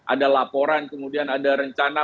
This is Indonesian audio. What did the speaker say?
ada laporan kemudian ada rencana